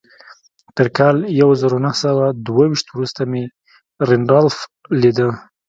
تر کال يو زر و نهه سوه دوه ويشت وروسته مې رينډالف ليده.